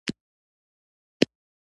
دښمن ته مه باور کوه